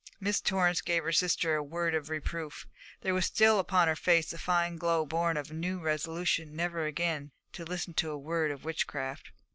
Miss Torrance gave her sister a word of reproof. There was still upon her face the fine glow born of a new resolution never again to listen to a word of witchcraft.